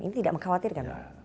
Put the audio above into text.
ini tidak mengkhawatirkan pak